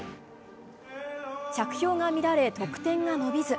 着氷が乱れ、得点が伸びず。